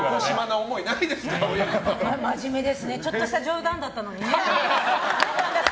真面目ですねちょっとした冗談だったのに。